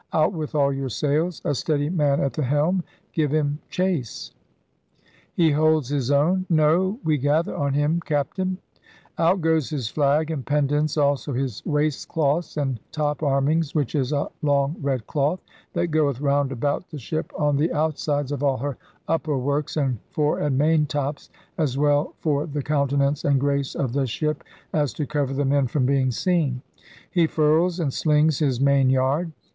'Out with all your sails! A steadie man at the helm! Give him chace!' 44 ELIZABETHAN SEA DOGS *Hee holds his owne — No, wee gather on him. ame Capt Out goes his flag and pendants^ also his waist cloths and top armings, which is a long red cloth ... that goeth round about the shippe on the out sides of all her upper works and fore and main tops y as well for the countenance and grace of the shippe as to cover the men from being seen. He furls and slings his main yard.